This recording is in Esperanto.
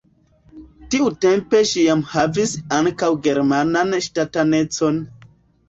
Tiutempe ŝi jam havis ankaŭ germanan ŝtatanecon.